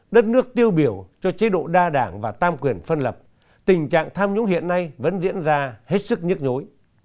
đất nước tiêu biểu cho chế độ đa đảng và tam quyền phân lập tình trạng tham nhũng hiện nay vẫn diễn ra hết sức nhức nhối